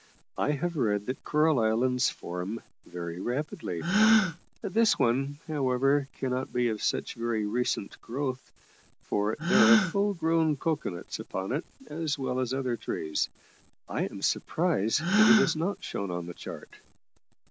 I have read that coral islands form very rapidly. This one, however, cannot be of such very recent growth, for there are full grown cocoa nuts upon it, as well as other trees; I am surprised that it is not shown on the chart."